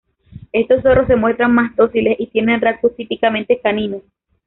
Estos zorros se muestran más dóciles y tienen rasgos típicamente caninos.